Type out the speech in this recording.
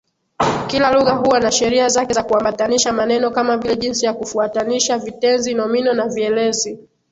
Kila lugha huwa na sheria zake za kuambatanisha maneno kama vile jinsi ya kufuatanisha vitenzi, nomino na vielezi.